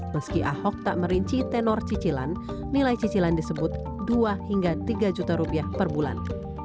meski ahok tak merinci tenor cicilan nilai cicilan disebut dua hingga tiga juta rupiah per bulan